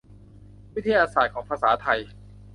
วิทยาศาสตร์ของภาษาไทย